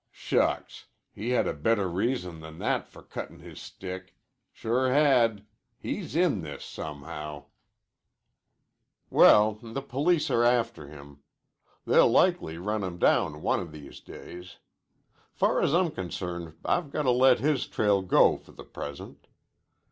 "Shucks! He had a better reason than that for cuttin' his stick. Sure had. He's in this somehow." "Well, the police are after him. They'll likely run him down one o' these days. Far as I'm concerned I've got to let his trail go for the present.